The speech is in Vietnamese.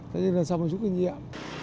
thế nhưng là xong một chút kinh nghiệm